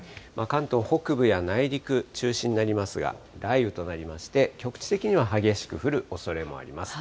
関東北部や内陸中心になりますが、雷雨となりまして、局地的には激しく降るおそれもあります。